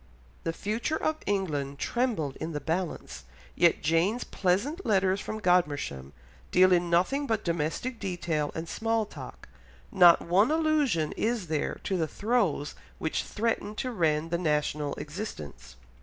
The future of England trembled in the balance, yet Jane's pleasant letters from Godmersham deal in nothing but domestic detail and small talk, not one allusion is there to the throes which threatened to rend the national existence.